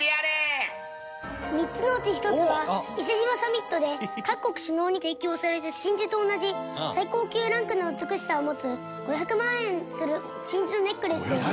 ３つのうち１つは伊勢志摩サミットで各国首脳に提供された真珠と同じ最高級ランクの美しさを持つ５００万円する真珠のネックレスです。